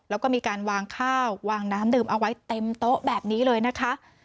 แล้วก็มีการวางข้าววางน้ำดื่มเอาไว้เต็มโต๊ะแบบนี้เลยนะคะ